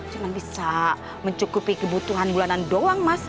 cuma bisa mencukupi kebutuhan bulanan doang mas